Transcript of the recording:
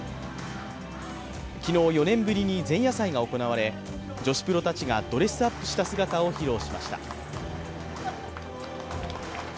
昨日４年ぶりに前夜祭が行われ女子プロたちがドレスアップした姿を披露しました。